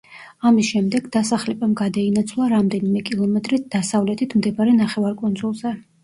ამის შემდეგ დასახლებამ გადაინაცვლა რამდენიმე კილომეტრით დასავლეთით მდებარე ნახევარკუნძულზე.